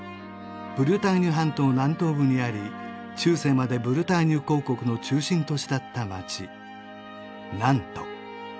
ブルターニュ半島南東部にあり中世までブルターニュ公国の中心都市だった街ナント